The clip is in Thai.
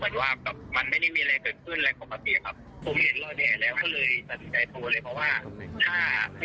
ฉะนั้นจริงตัวผมมาประมาณ๖๐๕๕